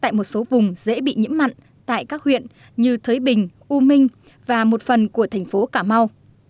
tại một số vùng dễ bị nhiễm mặn tại các huyện như thới bình u minh và một phần của thành phố cà mau